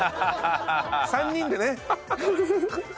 ３人でね。